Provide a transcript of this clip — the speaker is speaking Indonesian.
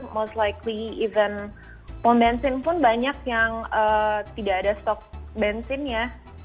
most likely even pom bensin pun banyak yang tidak ada stok bensin ya